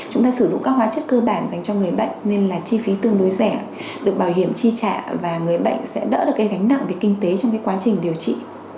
chúng ta sử dụng các hóa chất cơ bản dành cho người bệnh nên là chi phí tương đối rẻ được bảo hiểm chi trả và người bệnh sẽ đỡ được cái gánh nặng về kinh tế trong cái quá trình điều trị